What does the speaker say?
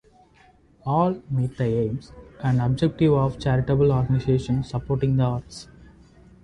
All meet the aims and objectives of charitable organisations supporting the arts.